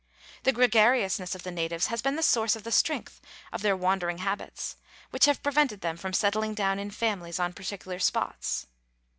The gregariousness of the natives has been the source of the strength of their wandering habits, which have prevented them from settling down in families on particular spots.